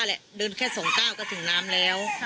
แหละเดินแค่๒ก้าวก็ถึงน้ำแล้ว